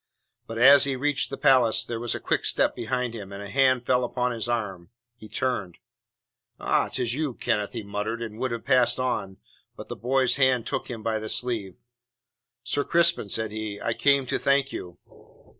But as he reached the palace there was a quick step behind him, and a hand fell upon his arm. He turned. "Ah, 'tis you, Kenneth," he muttered, and would have passed on, but the boy's hand took him by the sleeve. "Sir Crispin," said he, "I came to thank you."